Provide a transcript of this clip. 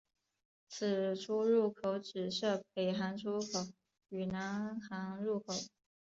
此出入口只设北行出口与南行入口。